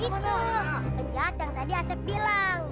itu penjahat yang tadi aset bilang